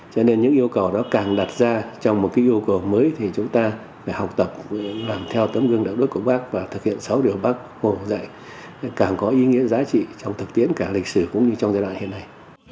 cho nên những yêu cầu đó càng đặt ra trong một cái yêu cầu mới thì chúng ta phải học tập làm theo tấm gương đạo đức của bác và thực hiện sáu điều bác hồ dạy càng có ý nghĩa giá trị trong thực tiễn cả lịch sử cũng như trong giai đoạn hiện nay